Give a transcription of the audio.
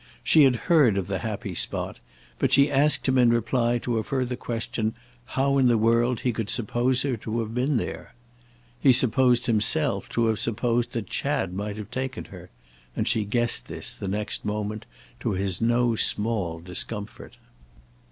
She had heard of the happy spot, but she asked him in reply to a further question how in the world he could suppose her to have been there. He supposed himself to have supposed that Chad might have taken her, and she guessed this the next moment to his no small discomfort.